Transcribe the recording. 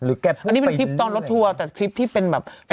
หรือแกบพูดไปนึกนี่แหละ